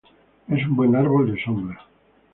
Es un buen árbol de sombra.